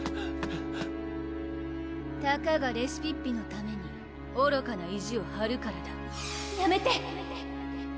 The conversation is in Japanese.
たかがレシピッピのためにおろかな意地をはるからだやめて！